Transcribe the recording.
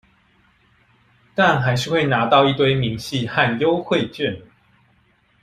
但還是會拿到一堆明細和優惠券